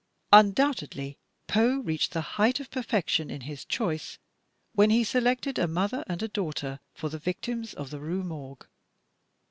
Undoubtedly Poe reached the height of perfection in liis choice, when he selected a mother and a daughter for the victims of the "Rue Morgue."